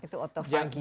itu otak pagi